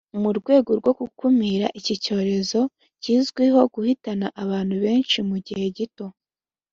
mu rwego rwo gukumira iki cyorezo kizwiho guhitana abantu benshi mu gihe gito